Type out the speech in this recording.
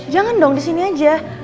jangan dong disini aja